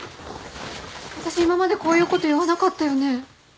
あたし今までこういうこと言わなかったよね？